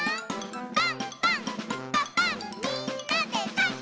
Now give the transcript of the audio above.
「パンパンんパパンみんなでパン！」